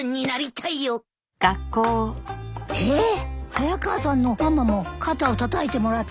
早川さんのママも肩をたたいてもらったの？